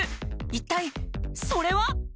一体それは？